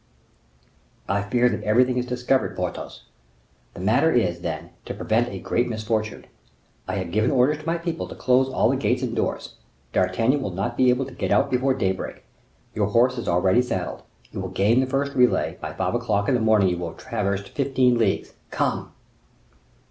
"I fear that everything is discovered, Porthos; the matter is, then, to prevent a great misfortune. I have given orders to my people to close all the gates and doors. D'Artagnan will not be able to get out before daybreak. Your horse is ready saddled; you will gain the first relay; by five o'clock in the morning you will have traversed fifteen leagues. Come!"